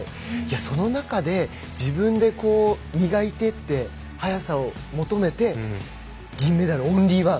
その中で、自分で磨いていって速さを求めて銀メダル、オンリーワン。